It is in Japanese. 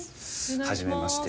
はじめまして。